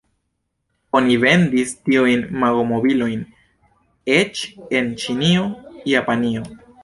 Oni vendis tiujn Magomobil-ojn eĉ en Ĉinio, Japanio.